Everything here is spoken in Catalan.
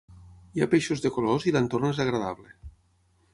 Hi ha peixos de colors i l'entorn és agradable.